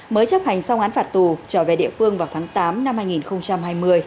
mới chấp hành xong án phạt tù trở về địa phương vào tháng tám năm hai nghìn hai mươi